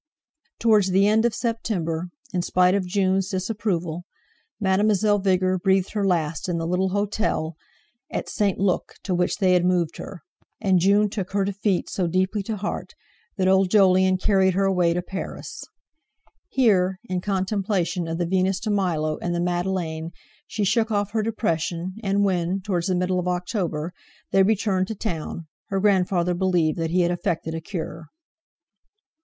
Towards the end of September, in spite of Jun's disapproval, Mademoiselle Vigor breathed her last in the little hotel at St. Luc, to which they had moved her; and June took her defeat so deeply to heart that old Jolyon carried her away to Paris. Here, in contemplation of the "Venus de Milo" and the "Madeleine," she shook off her depression, and when, towards the middle of October, they returned to town, her grandfather believed that he had effected a cure.